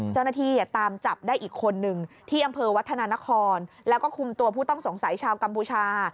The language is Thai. เจ้าหน้าที่ตามจับได้อีกคนนึงที่อำเภอวัฒนานครแล้วก็คุมตัวผู้ต้องสงสัยชาวกัมพูชา